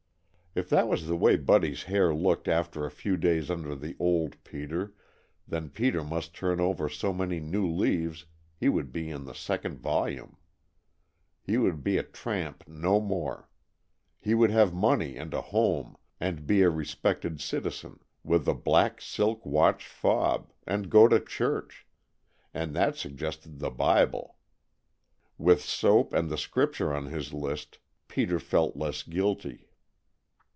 If that was the way Buddy's hair looked after a few days under the old Peter, then Peter must turn over so many new leaves he would be in the second volume. He would be a tramp no more. He would have money and a home and be a respected citizen, with a black silk watch fob, and go to church and that suggested the "Bibel." With "sope" and the Scripture on his list Peter felt less guilty.